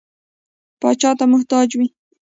پاچا ته محتاج وي.